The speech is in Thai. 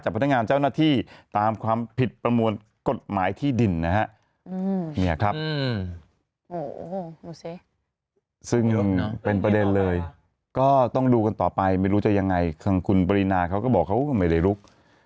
ซึ่งเป็นประเด็นเลยก็ต้องดูกันต่อไปไม่รู้จะยังไงคุณปริณาเขาก็บอกเขาก็ไม่ได้ลุก